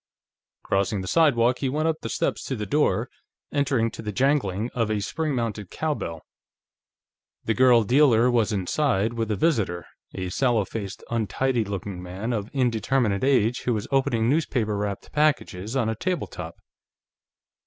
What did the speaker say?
Crossing the sidewalk, he went up the steps to the door, entering to the jangling of a spring mounted cowbell. The girl dealer was inside, with a visitor, a sallow faced, untidy looking man of indeterminate age who was opening newspaper wrapped packages on a table top.